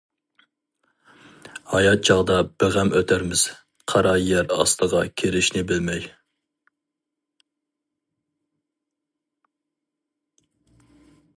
ھايات چاغدا بىغەم ئۆتەرمىز، قارا يەر ئاستىغا كىرىشنى بىلمەي.